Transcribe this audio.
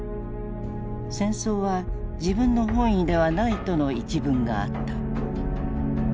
戦争は自分の本意ではないとの一文があった。